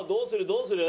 どうする？